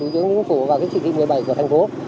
chỉ thị một mươi bảy của thành phố